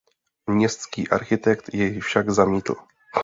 Městský architekt jej však zamítl.